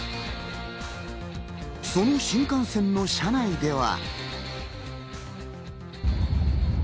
その新幹線の車内では。